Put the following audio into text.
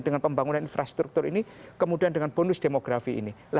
dengan pembangunan infrastruktur ini kemudian dengan bonus demografi ini